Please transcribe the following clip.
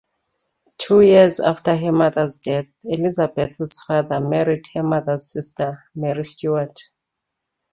Two years after her mother' death, Elizabeth's father married her mother's sister, Mary Stuart.